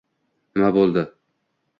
Nima bo'ldi?